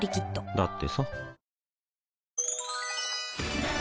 だってさ